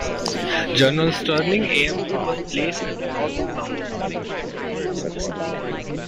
General Sterling A. M. Wood was placed at the north of town.